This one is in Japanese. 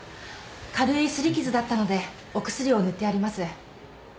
軽い擦り傷だったのでお薬を塗ってあります。